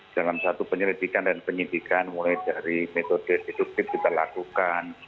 dalam satu penyelidikan dan penyidikan mulai dari metode deduktif kita lakukan